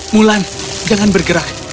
mulan jangan bergerak